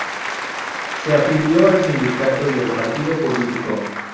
Se afilió al sindicato y al partido político.